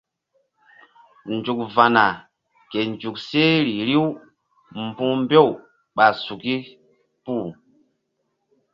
Nzuk va̧ na ke nzuk seh ri riw mbu̧h mbew ɓay suki puh.